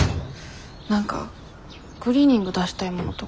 何かクリーニング出したいものとかない？